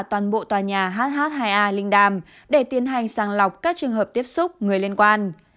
toàn bộ tòa nhà hh hai a linh đàm để tiến hành sàng lọc các trường hợp tiếp xúc người liên quan